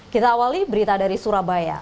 kita awali berita dari surabaya